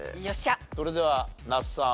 それでは那須さん